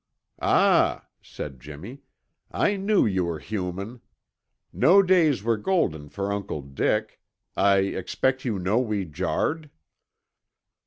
"Ah," said Jimmy, "I knew you were human! No days were golden for Uncle Dick. I expect you know we jarred?"